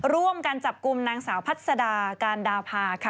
ร่วมกันจับกลุ่มนางสาวพัศดาการดาพาค่ะ